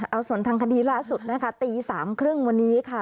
เอาส่วนทางคดีล่าสุดนะคะตี๓๓๐วันนี้ค่ะ